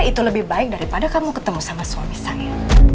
itu lebih baik daripada kamu ketemu sama suami saya